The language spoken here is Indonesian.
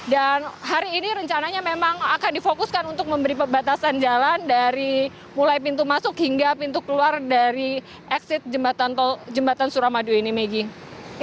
dan hari ini rencananya memang akan difokuskan untuk memberi pembatasan jalan dari mulai pintu masuk hingga pintu keluar dari exit jembatan suramadu ini meggy